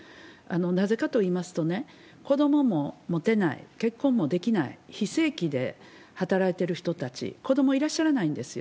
なぜかといいますとね、子どもも持てない、結婚もできない、非正規で働いてる人たち、子どもいらっしゃらないんですよ。